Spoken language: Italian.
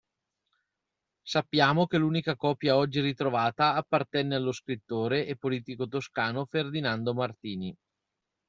Sappiamo che l'unica copia oggi ritrovata appartenne allo scrittore e politico toscano Ferdinando Martini.